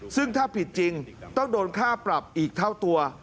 ซึ่งถ้าผิดจริงต้องโดนค่าปรับอีกเท่าตัว